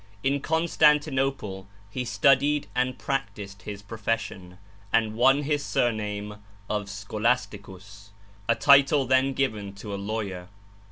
In Constantinople he studied and practiced his profession, and won his surname of "Scholasticus," a title then given to a lawyer.